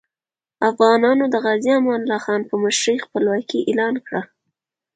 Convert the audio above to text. افغانانو د غازي امان الله خان په مشرۍ خپلواکي اعلان کړه.